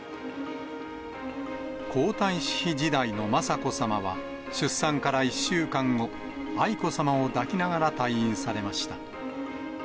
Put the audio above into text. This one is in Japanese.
皇太子妃時代の雅子さまは出産から１週間後、愛子さまを抱きながら退院されました。